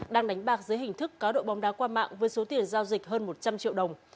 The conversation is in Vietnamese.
đang đánh bạc dưới hình thức cá độ bóng đá qua mạng với số tiền giao dịch hơn một trăm linh triệu đồng